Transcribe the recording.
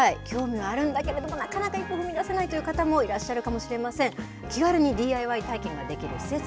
そしてＤＩＹ、興味はあるんだけれども、なかなか一歩踏み出せないという方もいらっしゃるかもしれません。